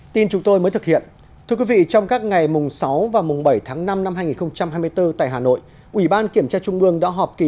thưa quý vị trong các ngày sáu bảy năm hai nghìn hai mươi bốn tại hà nội ủy ban kiểm tra trung ương đã họp kỳ